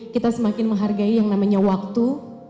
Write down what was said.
kita semakin menghargai yang namanya waktu